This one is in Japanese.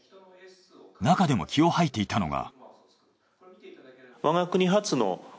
なかでも気を吐いていたのが。